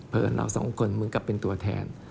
เพราะฉะนั้นเราสองคนมึงกับเป็นตัวแทน